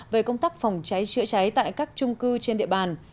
về công tác phòng cháy chữa cháy tại các trung cư trên địa bàn